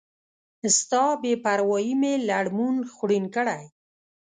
ستا بی پروایي می لړمون خوړین کړی